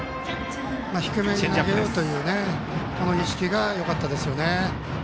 低めに投げようという意識がよかったですね。